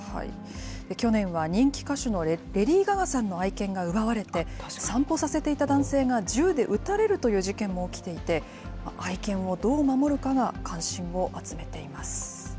去年は人気歌手のレディー・ガガさんの愛犬が奪われて、散歩させていた男性が、銃で撃たれるという事件も起きていて、愛犬をどう守るかが関心を集めています。